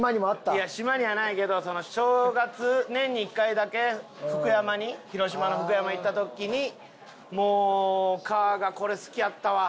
いや島にはないけど正月年に１回だけ福山に広島の福山行った時にもうお母がこれ好きやったわ。